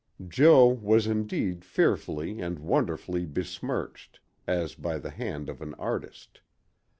Jo was indeed fearfully and wonderfully besmirched, as by the hand of an artist.